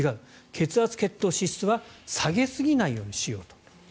血圧、血糖、脂質は下げすぎないようにしよう。